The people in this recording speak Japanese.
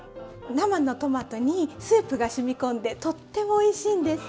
生のトマトにスープがしみ込んでとってもおいしいんです。